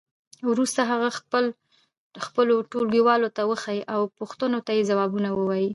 وروسته هغه خپلو ټولګیوالو ته وښیئ او پوښتنو ته یې ځوابونه ووایئ.